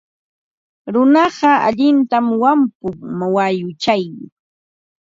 Runaqa allintam wampun mayuchaw.